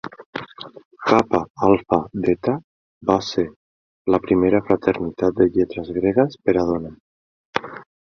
Kappa Alpha Theta va ser la primera fraternitat de lletres gregues per a dones.